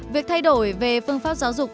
việc thay đổi về phương pháp giáo dục